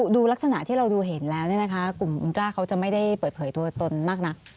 ดูลักษณะที่เราดูเห็นแล้วเนี่ยนะคะกลุ่มรากเขาจะไม่ได้เปิดเผยตัวตนมากนะ